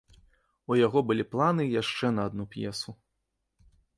У яго былі планы і яшчэ на адну п'есу.